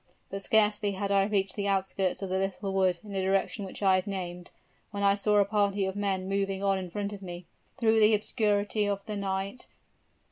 But scarcely had I reached the outskirts of the little wood in the direction which I have named, when I saw a party of men moving on in front of me, through the obscurity of the night.